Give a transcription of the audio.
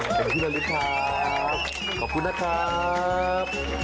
ขอบคุณครับขอบคุณนะครับ